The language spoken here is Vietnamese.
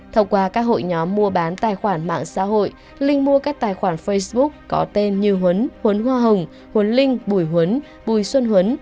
thông qua các hội nhóm mua bán tài khoản mạng xã hội linh mua các tài khoản facebook có tên như huấn huấn hoa hồng huấn linh bùi huấn bùi xuân huấn